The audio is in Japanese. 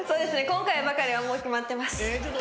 今回ばかりはもう決まってます。